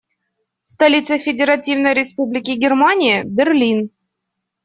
Столица Федеративной Республики Германия - Берлин.